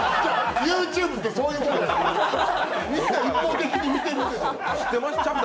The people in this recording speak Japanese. ＹｏｕＴｕｂｅってそういうもん！